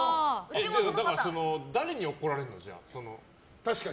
誰に怒られるの？